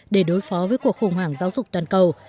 để đối phó với cuộc khủng hoảng giáo dục toàn cầu